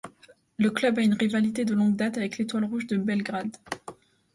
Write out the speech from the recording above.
Le club a une rivalité de longue date avec l'Étoile Rouge de Belgrade.